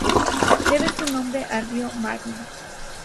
Debe su nombre al río Marne.